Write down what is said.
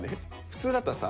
普通だったらさ